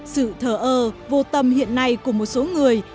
sự thờ ơ vô tâm hiện nay của một số người